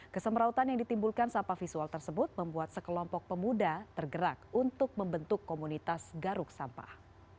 kesemrautan yang ditimbulkan sampah visual tersebut membuat sekelompok pemuda tergerak untuk membentuk komunitas garuk sampah